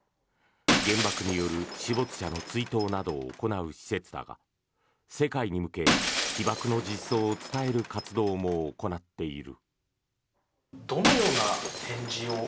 原爆による死没者の追悼などを行う施設だが世界に向け、被爆の実相を伝える活動も行っている。